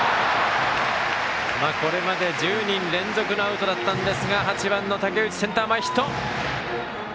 これまで１０人連続のアウトだったんですが８番の竹内、センター前ヒット。